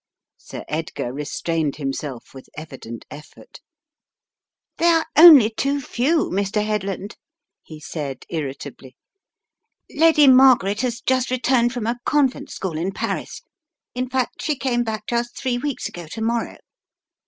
Sir Edgar restrained himself with evident effort. "They are only too few, Mr. Headland," he said irritably. "Lady Margaret has just returned from a convent school in Paris. In fact, she came back just three weeks ago to morrow.